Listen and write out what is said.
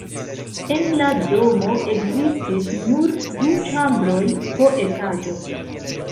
En la domo ekzistis nur du ĉambroj po etaĝo.